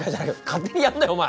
勝手にやんなよお前！